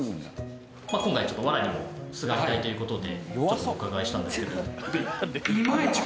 今回ちょっと笑にもすがりたいということでちょっとお伺いしたんですけど。